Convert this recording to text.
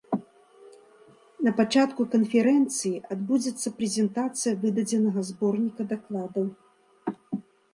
На пачатку канферэнцыі адбудзецца прэзентацыя выдадзенага зборніка дакладаў.